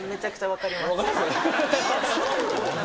分かります？